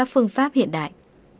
pháp hiện đại